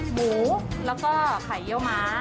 หมูแล้วก็ไข่เย้าม้า